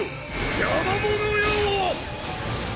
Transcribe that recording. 邪魔者よ！